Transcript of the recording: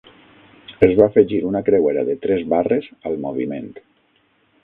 Es va afegir una creuera de tres barres al moviment.